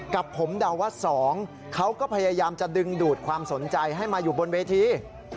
กับผมเดาว่า๒เขาก็พยายามจะดึงดูดความสนใจให้มาอยู่บนเวที